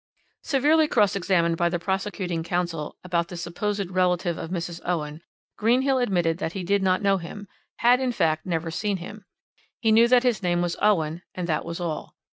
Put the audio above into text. "Severely cross examined by the prosecuting counsel about this supposed relative of Mrs. Owen, Greenhill admitted that he did not know him had, in fact, never seen him. He knew that his name was Owen and that was all.